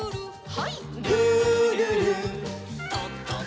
はい。